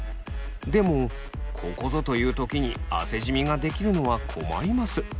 でもここぞという時に汗じみができるのは困ります。